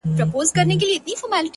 هو زه پوهېږمه ـ خیر دی یو بل چم وکه ـ